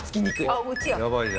あっうちや。